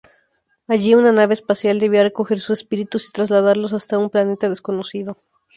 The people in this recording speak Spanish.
Allí, una nave espacial debía recoger sus espíritus y trasladarlos hasta un planeta desconocido.